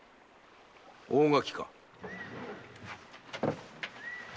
大垣か。